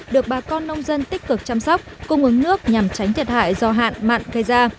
được bà con nông dân tích cực chăm sóc cung ứng nước nhằm tránh thiệt hại do hạn mặn gây ra